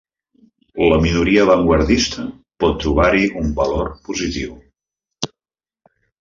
La minoria avantguardista pot trobar-hi un valor positiu.